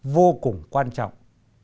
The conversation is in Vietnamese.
vô cùng quan trọng